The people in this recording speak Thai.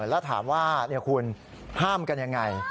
แล้วถามว่าคุณห้ามกันยังไง